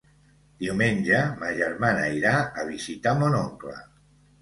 Diumenge ma germana irà a visitar mon oncle.